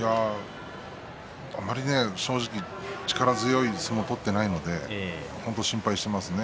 あまり正直力強い相撲を取っていないので本当に心配していますね。